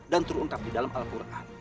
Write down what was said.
dan terungkap di dalam al quran